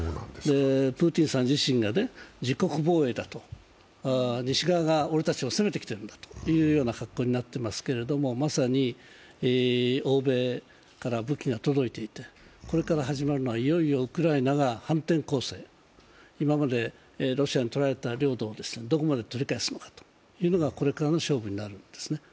プーチンさん自身が自国防衛だと西側が俺たちを攻めてきているんだというような格好になっていますけれどもまさに欧米から武器が届いていてこれから始まるのは、いよいよウクライナが反転攻勢、今までロシアにとられていた領土をどこまで取り返すのか、これからの勝負になるんですね。